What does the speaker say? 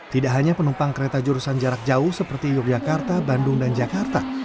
tidak hanya penumpang kereta jurusan jarak jauh seperti yogyakarta bandung dan jakarta